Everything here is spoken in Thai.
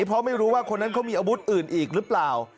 เพราะไม่รู้ว่าคนนั้นเขามีอาวุธอื่นอีกหรือเปล่า